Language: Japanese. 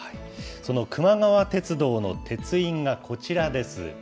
そのくま川鉄道の鉄印がこちらです。